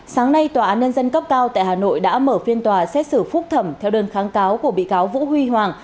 sáng nay tòa án nhân dân cấp cao tại hà nội đã mở phiên tòa xét xử phúc thẩm theo đơn kháng cáo của bị cáo vũ huy hoàng